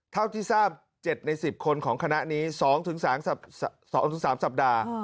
เท่าที่ทราบ๗ใน๑๐คนของคณะนี้๒๓สัปดาห์